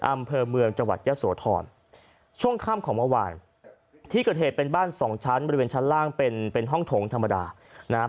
อำเภอเมืองจังหวัดยะโสธรช่วงค่ำของเมื่อวานที่เกิดเหตุเป็นบ้านสองชั้นบริเวณชั้นล่างเป็นเป็นห้องโถงธรรมดานะครับ